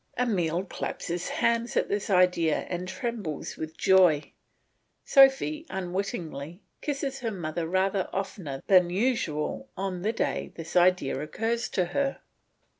Emile claps his hands at this idea and trembles with joy; Sophy, unwittingly, kisses her mother rather oftener than usual on the day this idea occurs to her.